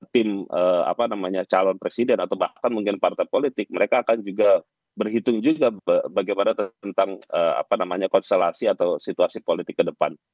tim apa namanya calon presiden atau bahkan mungkin partai politik mereka akan juga berhitung juga bagaimana tentang konstelasi atau situasi politik ke depan